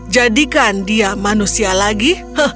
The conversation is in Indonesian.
jadikan dia manusia lagi